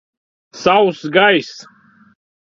Sauss gaiss.